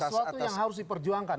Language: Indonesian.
sesuatu yang harus diperjuangkan